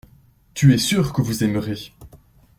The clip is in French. Tu es sûr que vous aimerez.